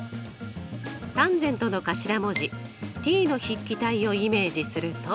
ｔａｎの頭文字ｔの筆記体をイメージすると。